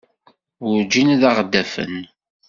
Werǧin ad aɣ-d-afen.